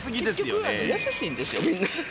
結局、優しいんですよね。